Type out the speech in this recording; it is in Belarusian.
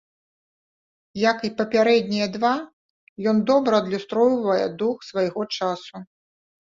Як і папярэднія два, ён добра адлюстроўвае дух свайго часу.